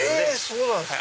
そうなんすか